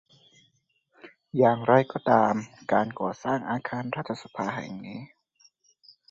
อย่างไรก็ตามการก่อสร้างอาคารรัฐสภาแห่งนี้